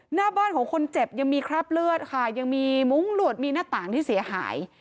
หน้าบ้านของคนเจ็บยังมีคราบเลือดค่ะยังมีมุ้งหลวดมีหน้าต่างที่เสียหาย